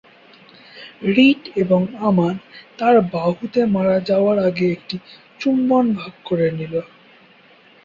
Writ এবং আমান তার বাহুতে মারা যাওয়ার আগে একটি চুম্বন ভাগ করে নিল।